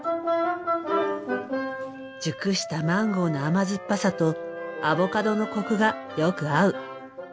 熟したマンゴーの甘酸っぱさとアボカドのコクがよく合う。